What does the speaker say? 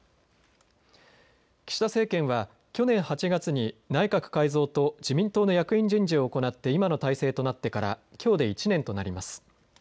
岸田政権は去年８月に内閣改造と自民党の役員人事を行って今の体制となってからきょうで１年となります。